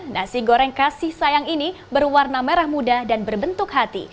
nasi goreng kasih sayang ini berwarna merah muda dan berbentuk hati